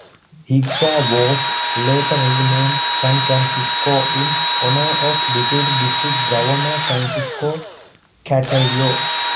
"Hagpa" was later renamed "San Francisco" in honor of Deputy District Governor Francisco Cataylo.